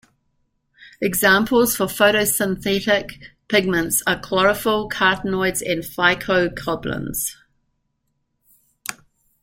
Examples for photosynthetic pigments are chlorophyll, carotenoids and phycobilins.